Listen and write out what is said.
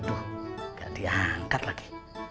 aduh nggak diangkat lagi